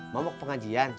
mau ke pengajian